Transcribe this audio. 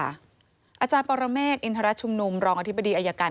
อาจารย์ปรเมฆอินทรชุมนุมรองอธิบดีอายการ